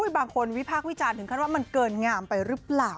บางคนวิพากษ์วิจารณ์ถึงขั้นว่ามันเกินงามไปหรือเปล่า